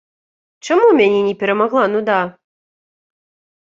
Чаму мяне не перамагла нуда?